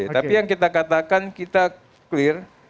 tapi yang kita katakan kita clear